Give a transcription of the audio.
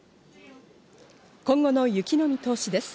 今後の雪の見通しです。